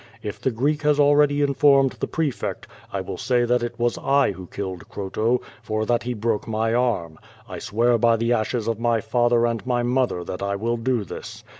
If the Greek has already infonned the pre fect, I will say that it was I who killed Croto; for that he broke my arm. I swear by the ashes of my father and my mother that I will do this.